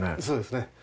そうですね。